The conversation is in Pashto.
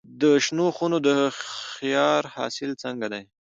د شنو خونو د خیار حاصل څنګه دی؟